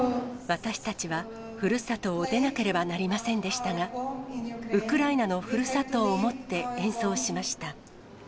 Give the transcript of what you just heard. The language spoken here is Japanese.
私たちはふるさとを出なければなりませんでしたが、ウクライナのふるさとを思って演奏しました。